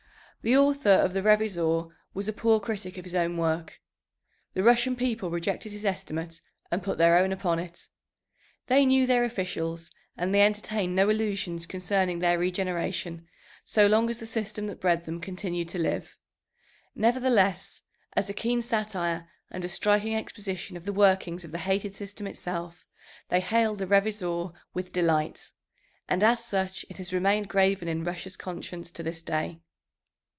The author of the Revizor was a poor critic of his own work. The Russian people rejected his estimate and put their own upon it. They knew their officials and they entertained no illusions concerning their regeneration so long as the system that bred them continued to live. Nevertheless, as a keen satire and a striking exposition of the workings of the hated system itself, they hailed the Revizor with delight. And as such it has remained graven in Russia's conscience to this day.